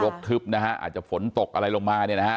บททึบนะฮะอาจจะฝนตกอะไรลงมาเนี่ยนะฮะ